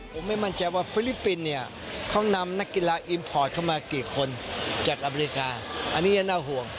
ผมไม่มั่นใจว่าฟิลิปปินส์เนี่ยเขานำนักกีฬาอิมพอร์ตเข้ามากี่คนจากอเมริกาอันนี้น่าห่วง